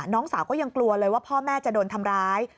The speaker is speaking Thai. น้องสาวก็ยังกลัวเลยว่าพ่อแม่จะโดนทำร้าย